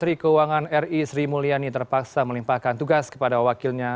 menteri keuangan ri sri mulyani terpaksa melimpahkan tugas kepada wakilnya